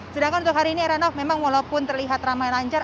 sedangkan untuk hari ini heranov memang walaupun terlihat ramai lancar